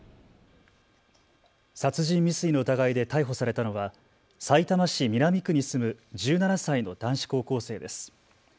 殺人未遂の疑いで逮捕されたのはさいたま市南区に住む１７歳の男子高校生です。